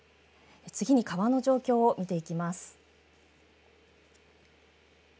次に川の状況を見ていきます。